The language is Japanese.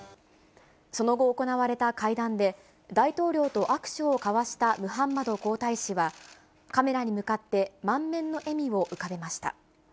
その後行われた会談で、大統領と握手を交わしたムハンマド皇太子は、カメラに向かって満面の笑みを浮かべました。